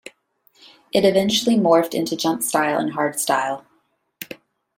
It eventually morphed into jumpstyle and hardstyle.